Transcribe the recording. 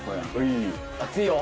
熱いよ！